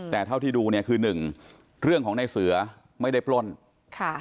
แต่เท่าที่ดูเนี่ยคือหนึ่งเรื่องของในเสือไม่ได้ปล้นค่ะ